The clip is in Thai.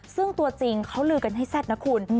ซึ่งตัวจริงเขาลือกันให้แซ่บนะคุณ